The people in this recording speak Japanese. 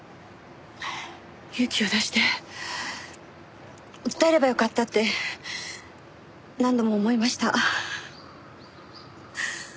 勇気を出して訴えればよかったって何度も思いました。